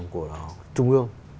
của trung ương